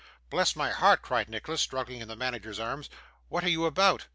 'Bless my heart,' cried Nicholas, struggling in the manager's arms, 'what are you about?